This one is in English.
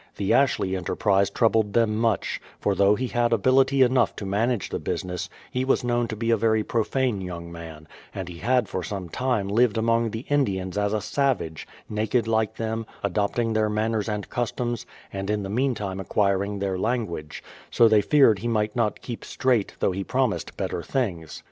The Ashley enterprise troubled them much, for though he had ability enough to manage the business, he was known to be a very profane young man; and he had for some time lived among the Indians as a savage, naked like them, adopting their manners and customs, and in the meantime acquiring their language; so they feared he might not keep straight, though he prom ised better things.